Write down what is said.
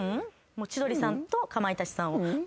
千鳥さんとかまいたちさんを。